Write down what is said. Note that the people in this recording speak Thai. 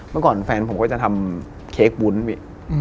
เมื่อก่อนแฟนผมก็จะทำเค้กวุ้นพี่